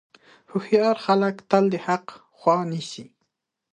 هوښیار خلک تل د حق خوا نیسي.